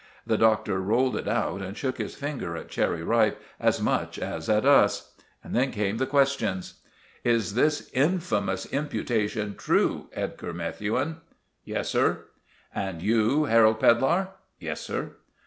The Doctor rolled it out, and shook his finger at Cherry Ripe as much as at us. Then came the questions. "Is this infamous imputation true, Edgar Methuen?" "Yes, sir." "And you, Harold Pedlar?" "Yes, sir."